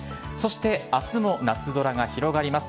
明日も夏空が広がります。